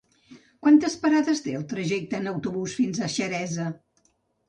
Quantes parades té el trajecte en autobús fins a Xeresa?